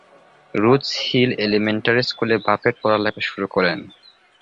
রোজ hill elementary স্কুলে Buffett পড়ালেখা শুরু করেন।